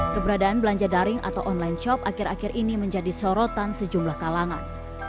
keberadaan belanja daring atau online shop akhir akhir ini menjadi sorotan sejumlah kalangan